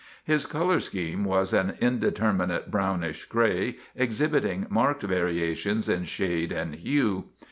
His color scheme was an indeter minate brownish gray, exhibiting marked variations in shade and hue.